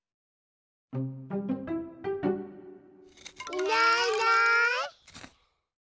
いないいない。